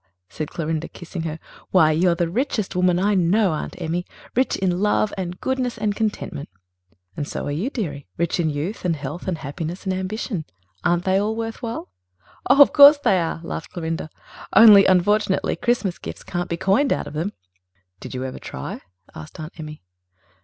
said Clorinda, kissing her. "Why, you are the richest woman I know, Aunt Emmy rich in love and goodness and contentment." "And so are you, dearie ... rich in youth and health and happiness and ambition. Aren't they all worth while?" "Of course they are," laughed Clorinda. "Only, unfortunately, Christmas gifts can't be coined out of them." "Did you ever try?" asked Aunt Emmy.